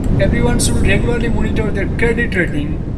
Everyone should regularly monitor their credit rating.